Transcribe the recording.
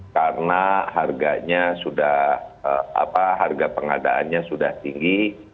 karena harganya sudah harga pengadaannya sudah tinggi